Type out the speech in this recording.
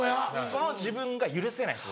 その自分が許せないんです